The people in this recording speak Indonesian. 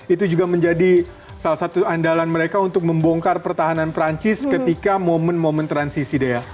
itu juga menjadi salah satu andalan mereka untuk membongkar pertahanan perancis ketika momen momen transisi dea